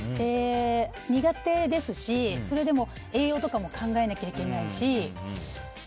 苦手ですし、それでも栄養とかも考えなきゃいけないし。